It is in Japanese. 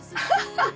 ハハハハ！